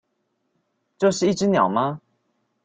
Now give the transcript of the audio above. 這是一隻鳥嗎？